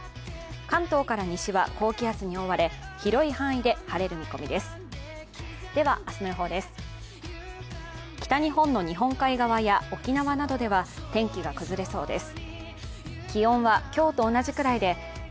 関東から西は高気圧に覆われ、広い範囲で晴れる見込みです。